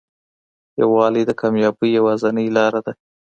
یووالی د کامیابۍ یوازینۍ لاره ده.